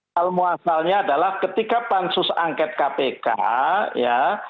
hal muasalnya adalah ketika pansus angket kpk ya